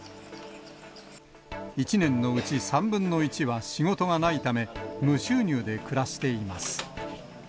１年のうち３分の１は仕事がないため、無収入で暮らしています。